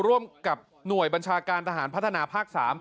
ร่วมกับหน่วยบัญชาการทหารพัฒนาภาค๓